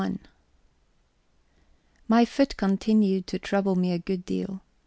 XXI My foot continued to trouble me a good deal.